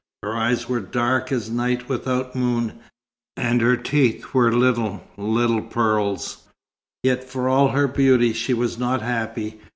Her eyes were dark as a night without moon, and her teeth were little, little pearls. Yet for all her beauty she was not happy.